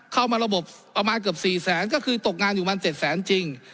เข้ามาระบบประมาณเกือบ๔แสนก็คือตกงานอยู่มัน๗แสนจริง